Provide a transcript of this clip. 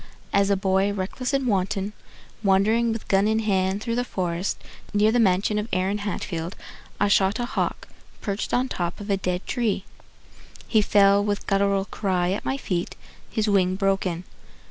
As a boy reckless and wanton, Wandering with gun in hand through the forest Near the mansion of Aaron Hatfield, I shot a hawk perched on the top Of a dead tree. He fell with guttural cry At my feet, his wing broken.